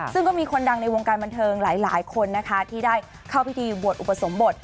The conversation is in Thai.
ซึ่งก็มีคนดังในวงการบันเทิงหลายคนนะคะที่ได้เข้าพิธีบวชอุปสมบท